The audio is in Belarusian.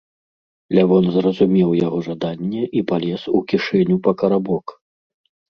Лявон зразумеў яго жаданне і палез у кішэню па карабок.